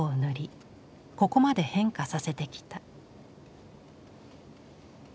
ここまで変化させてきた。